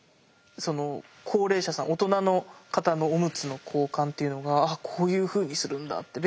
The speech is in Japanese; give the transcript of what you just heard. その高齢者さん大人の方のおむつの交換っていうのがあっこういうふうにするんだって。